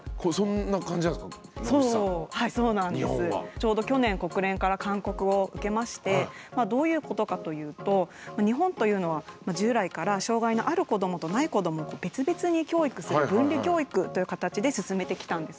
ちょうど去年国連から勧告を受けましてどういうことかというと日本というのは従来から障害のある子どもとない子どもを別々に教育する分離教育という形で進めてきたんですね。